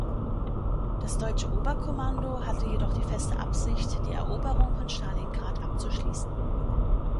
Das deutsche Oberkommando hatte jedoch die feste Absicht, die Eroberung von Stalingrad abzuschließen.